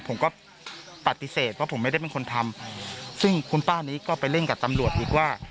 ผมก็ปฏิเสธว่าผมไม่ได้เป็นคนทำซึ่งคุณป้านี้ก็ไปเล่นกับตำรวจอีกว่า